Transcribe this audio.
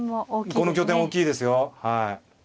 この拠点大きいですよはい。